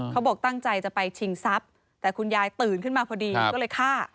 เขาบอกตั้งใจจะไปชิงทรัพย์แต่คุณยายตื่นขึ้นมาพอดีก็เลยฆ่า